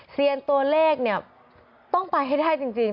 เซียนตัวเลขเนี่ยต้องไปให้ได้จริง